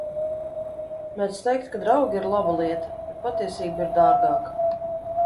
Mēdz teikt, ka draugi ir laba lieta, bet patiesība ir dārgāka.